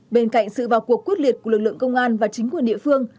bên cạnh sự vào cuộc quyết liệt của lực lượng công an